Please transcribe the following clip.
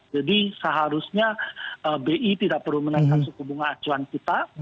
jadi seharusnya bi tidak perlu menaikkan suku bunga acuan kita